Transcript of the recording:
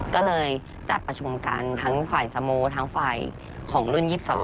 ก็เลยจัดประชุมกันทั้งฝ่ายสโมทั้งฝ่ายของรุ่น๒๒